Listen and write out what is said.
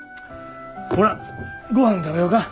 ほなごはん食べよか。